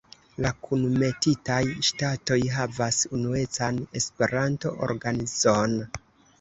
La kunmetitaj ŝtatoj havas unuecan Esperanto-organizon.